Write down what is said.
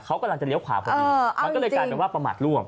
เขากำลังจะเลี้ยวขวาเออเอาจริงกามว่าประมาณร่วม